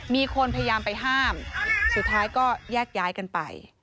มีคนพยายามไปห้ามสุดท้ายก็แยกย้ายกันไป